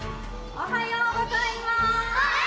おはようございます！